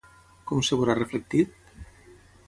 Com es veurà reflectit?